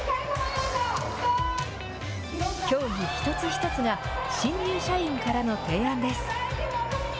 競技一つ一つが、新入社員からの提案です。